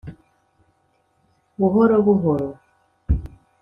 Buhoro buhoro